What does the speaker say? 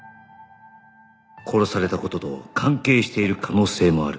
殺された事と関係している可能性もある